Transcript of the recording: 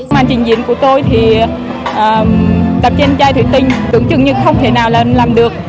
mang trình diễn của tôi thì tập trên chai thủy tinh tưởng chừng như không thể nào làm được